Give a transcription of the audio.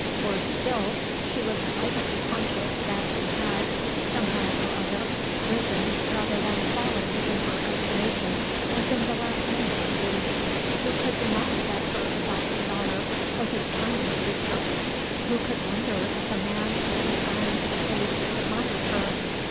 Worse still, she was privately conscious that he had, somehow or other, risen, rather than fallen, in her estimation within the last minute or two. Who could deny that her adopted daughter was a charming creature? Who could wonder if a man of refined tastes admired her?